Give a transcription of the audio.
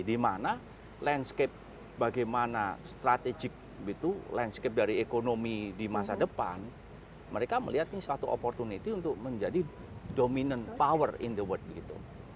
dimana landscape bagaimana strategic itu landscape dari ekonomi di masa depan mereka melihat ini suatu opportunity untuk menjadi dominant power in the world gitu